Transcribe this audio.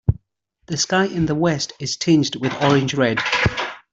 The sky in the west is tinged with orange red.